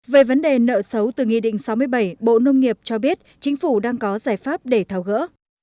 về vấn đề nợ xấu từ nghị định sáu mươi bảy bộ nông nghiệp cho biết chính phủ đang có giải pháp để thảo gỡ